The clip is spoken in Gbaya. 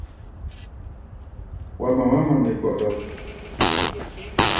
Wa mamá mami gbɔɗɔk.